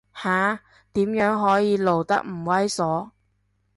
下，點樣可以露得唔猥褻